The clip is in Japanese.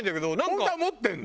本当は持ってるの？